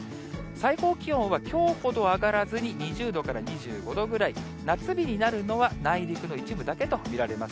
最高気温は、きょうほど上がらずに、２０度から２５度ぐらい、夏日になるのは内陸の一部だけと見られます。